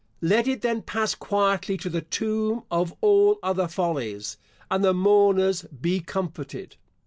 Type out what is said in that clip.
Let it then pass quietly to the tomb of all other follies, and the mourners be comforted.